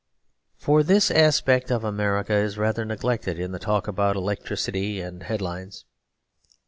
For this aspect of America is rather neglected in the talk about electricity and headlines.